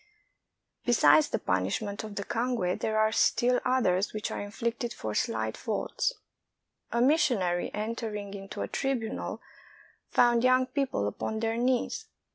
Besides the punishment of the cangue, there are still others which are inflicted for slight faults. A missionary entering into a tribunal found young people upon their knees.